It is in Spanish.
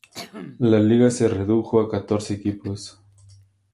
La liga se redujo a catorce equipos.